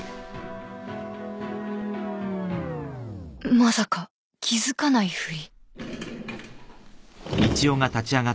まさか気付かないふり？